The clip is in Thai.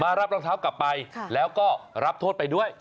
รับรองเท้ากลับไปแล้วก็รับโทษไปด้วย